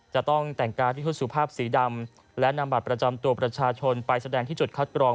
จะต้องแต่งกายที่ชุดสุภาพสีดำและนำบัตรประจำตัวประชาชนไปแสดงที่จุดคัดกรอง